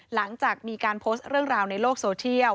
หลังจากมีการโพสต์เรื่องราวในโลกโซเทียล